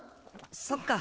そっか。